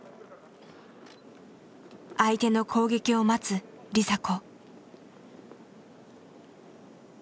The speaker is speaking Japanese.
相手の攻撃を待つ梨紗子。